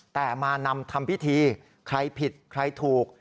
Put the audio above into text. แต่มานำทำพิธีใครผิดใครถูก